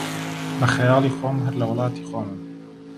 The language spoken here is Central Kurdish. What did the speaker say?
بە خەیاڵی خۆم، هەر لە وڵاتی خۆمم